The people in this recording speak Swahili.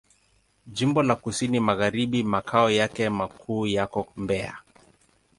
Jimbo la Kusini Magharibi Makao yake makuu yako Mbeya.